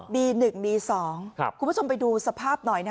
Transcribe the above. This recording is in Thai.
๑บี๒คุณผู้ชมไปดูสภาพหน่อย